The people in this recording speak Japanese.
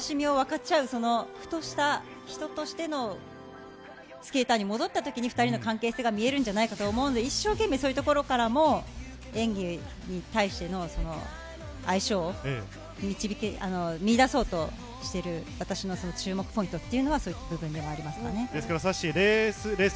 喜びだったり悲しみを分かち合う、ふとした人としてのスケーターに戻った時に、２人の関係性が見えるんじゃないかなと思うのでそういうところからも演技に対しての相性を見いだそうとしている私の注目ポイント。